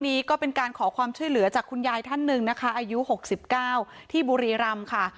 นี้ก็เป็นการขอความช่วยเหลือจากคุณยายท่านหนึ่งนะคะอายุ๖๙ที่บุรีรำค่ะ